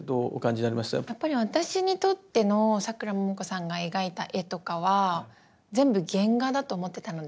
やっぱり私にとってのさくらももこさんが描いた絵とかは全部原画だと思ってたので。